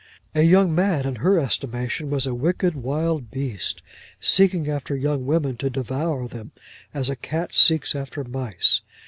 A young man, in her estimation, was a wicked wild beast, seeking after young women to devour them, as a cat seeks after mice.